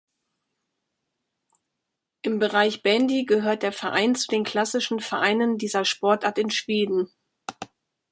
Im Bereich Bandy gehört der Verein zu den klassischen Vereinen dieser Sportart in Schweden.